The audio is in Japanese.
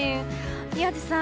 宮司さん